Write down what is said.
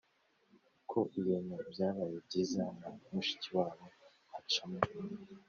ko ibintu byabaye byiza na mushikiwabo acamo